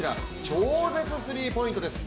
超絶スリーポイントです。